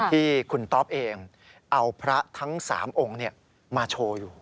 ที่คุณต๊อปเองเอาพระทั้ง๓องค์มาโชว์อยู่